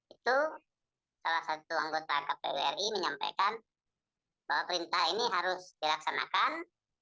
itu salah satu anggota kpu ri menyampaikan bahwa perintah ini harus dilaksanakan